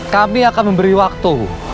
kami akan memberi waktu